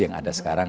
yang ada sekarang